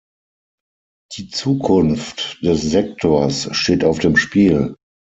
Die Zukunft des Sektors steht auf dem Spiel.